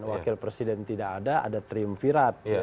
wakil presiden tidak ada ada triumvirat